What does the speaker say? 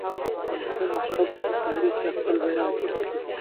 د افغانستان هوتکو په کندهار کې خپل بیرغ پورته کړ.